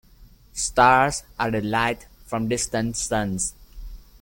Stars are the light from distant suns.